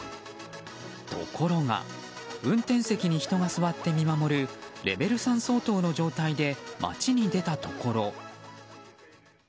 ところが運転席に人が座って見守るレベル３相当の状態で街に出たところ。